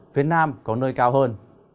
phía nam có nơi cao hơn